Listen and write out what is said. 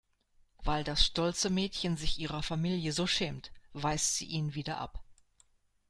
Weil das stolze Mädchen sich ihrer Familie so schämt, weist sie ihn wieder ab.